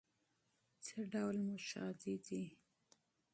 څه ډول موشادې دي؟